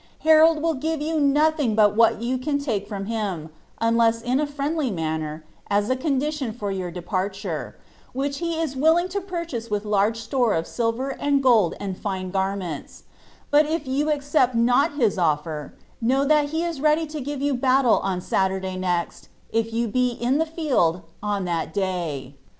Ifarold will ^ve yott nothing but what you can take from him, unless in a friendly way, as ■ rondilion for your departure, which he is willing to purchase with iaise ctore of atlver and gold and line garments ; but if you accept not lila olfet, know that he is ready to give you balUe on Saturday nest, if yon be in the field on that day."